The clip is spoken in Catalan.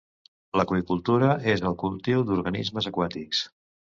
L'aqüicultura és el cultiu d'organismes aquàtics.